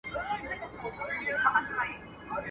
o چي لو ډبره اخلي، هغه جنگ نکوي.